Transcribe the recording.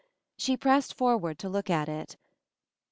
She pressed forward to look at it.